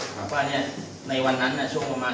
เพราะว่าเนี่ยในวันนั้นน่ะช่วงประมาณ